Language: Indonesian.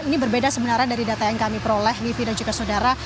ini berbeda sebenarnya dari data yang kami peroleh miffi dan juga saudara